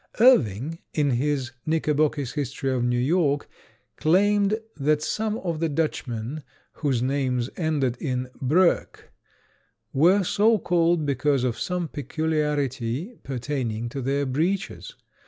Irving, in his "Knickerbocker's History of New York," claimed that some of the Dutchmen whose names ended in broeck were so called because of some peculiarity pertaining to their breeches.